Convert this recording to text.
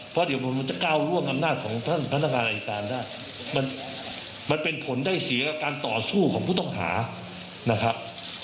เพราะเดี๋ยวมันจะก้าวร่วงอำนาจของท่านพนักงานอายการได้มันเป็นผลได้เสียการต่อสู้ของผู้ต้องหานะครับ